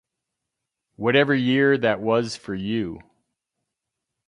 Whatever year that was for you.